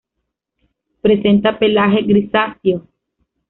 Presenta pelaje grisáceo.